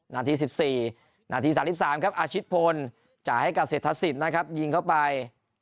นาที๑๔นาที๓๓ครับอาชิตพลจ่ายให้กับเศรษฐศิษย์นะครับยิงเข้าไป